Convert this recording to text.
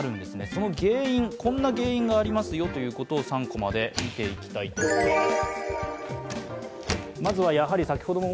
その原因、こんな原因がありますよということを３コマで見ていきたいと思います。